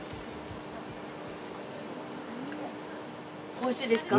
おいしいですか？